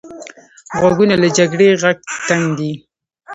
غوږونه له جګړې غږ تنګ دي